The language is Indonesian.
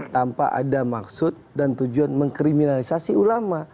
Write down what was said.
tanpa ada maksud dan tujuan mengkriminalisasi ulama